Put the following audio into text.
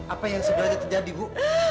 apa yang sebenarnya terjadi bu